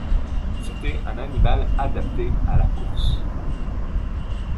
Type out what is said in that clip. C'était un animal adapté à la course.